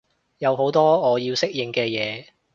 有好多我要適應嘅嘢